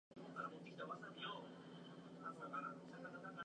いくら力を込めても壊れることはなさそうだった